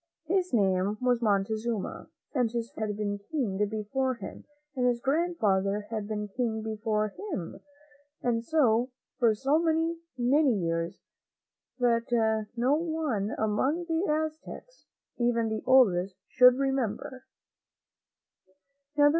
His name was Montezuma, and his father had been King before him and his grandfather had been King before Aim; and so, for so many, many years, that no one among the Aztecs, even the oldest, could remem ber.